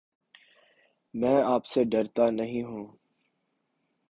میں آپ سے ڈرتا نہیں ہوں